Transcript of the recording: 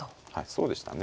そうでしたね